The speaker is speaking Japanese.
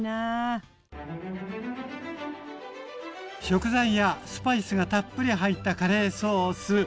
食材やスパイスがたっぷり入ったカレーソース。